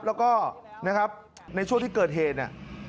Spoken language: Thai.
แล้วก็นะครับในช่วงที่เกิดเหตุเนี่ย